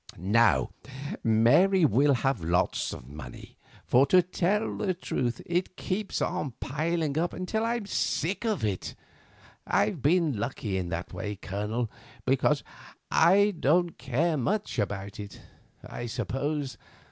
Now, Mary will have lots of money, for, to tell the truth, it keeps piling up until I am sick of it. I've been lucky in that way, Colonel, because I don't care much about it, I suppose.